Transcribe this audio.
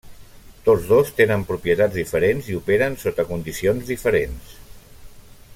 Tots dos tenen propietats diferents i operen sota condicions diferents.